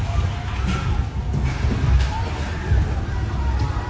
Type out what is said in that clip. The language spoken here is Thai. สวัสดีสวัสดีสวัสดีสวัสดี